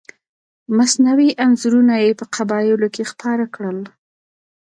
مصنوعي انځورونه یې په قبایلو کې خپاره کړل.